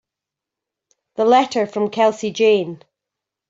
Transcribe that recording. The letter from Kelsey Jane.